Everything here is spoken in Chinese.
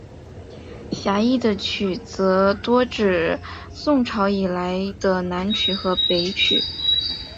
狭义的曲则多指宋朝以来的南曲和北曲。